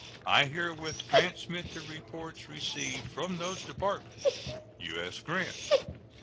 I herewith transmit the reports received from those Departments. U.S. GRANT.